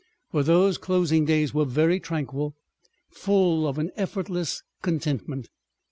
But those closing days were very tranquil, full of an effortless contentment.